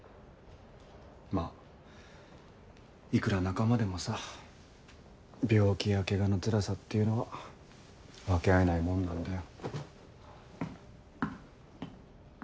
まぁいくら仲間でもさ病気やケガのつらさっていうのは分け合えないもんなんだよ。